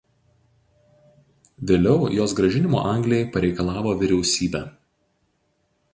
Vėliau jos gražinimo Anglijai pareikalavo vyriausybė.